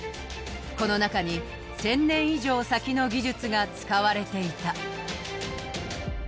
この中に１０００年以上先の技術が使われていた。